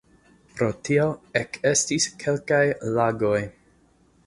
Pro tio ekestis kelkaj lagoj.